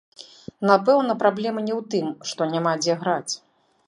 Напэўна, праблема не ў тым, што няма дзе граць.